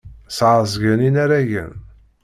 Sɛeẓgent inaragen.